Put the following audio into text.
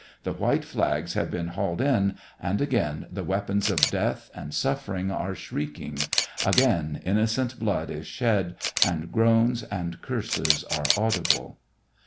The white flags have been hauled in, and SEVASTOPOL IN MAY. 121 again the weapons of death and suffering are shrieking; again innocent blood is shed, and groans and curses are audible.